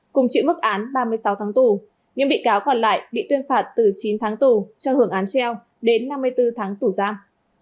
cùng chịu mức án ba mươi sáu tháng tù những bị cáo còn lại bị tuyên phạt từ chín tháng tù cho hưởng án treo đến năm mươi bốn tháng tù giam